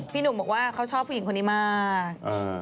พี่หนุ่มบอกว่าเขาชอบผู้หญิงคนนี้มาก